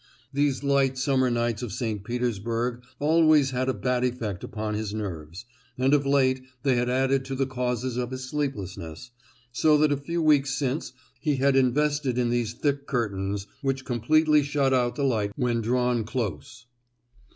These light summer nights of St. Petersburg always had a bad effect upon his nerves, and of late they had added to the causes of his sleeplessness, so that a few weeks since he had invested in these thick curtains, which completely shut out the light when drawn close.